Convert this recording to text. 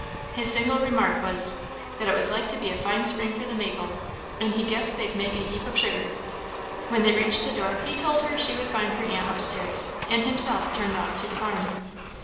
His single remark was, "that it was like to be a fine spring for the maple, and he guessed they'd make a heap of sugar." When they reached the door, he told her she would find her aunt upstairs, and himself turned off to the barn.